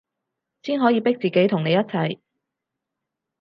先可以逼自己同你一齊